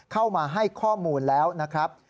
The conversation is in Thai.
เข้ามาให้ข้อมูลแล้วนะครับ